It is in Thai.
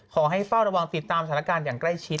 เฝ้าระวังติดตามสถานการณ์อย่างใกล้ชิด